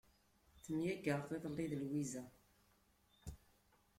Temyagreḍ iḍelli d Lwiza.